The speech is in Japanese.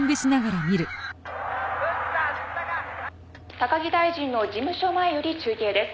「高木大臣の事務所前より中継です」